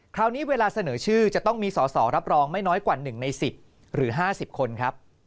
คราวนี้เวลาเสนอชื่อจะต้องมีสอสอรับรองไม่น้อยกว่า๑ใน๑๐หรือ๕๐คนครับ